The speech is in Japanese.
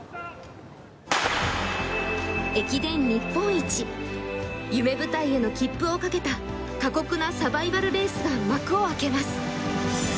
駅伝日本一、夢舞台への切符を欠けた過酷なサバイバルレースが幕を開けます。